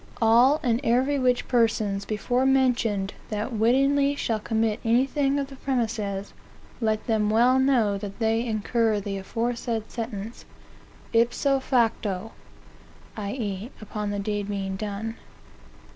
All and every which persons before mentioned, that wittingly shall commit anything of the premises, let them well know that they incur the aforesaid sentence, ipso facto, (i. e.. upon the deed being done.)